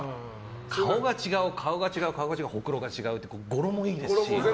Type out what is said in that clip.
顔が違う、顔が違う、顔が違うほくろが違う語呂もいいですし。